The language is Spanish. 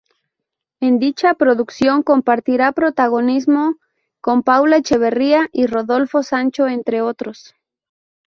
En dicha producción compartirá protagonismo con Paula Echevarría y Rodolfo Sancho entre otros.